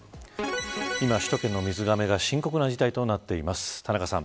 今、首都圏の水がめが深刻な事態となっています。